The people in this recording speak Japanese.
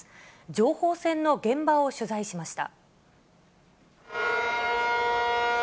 情報戦の現場を取材しました。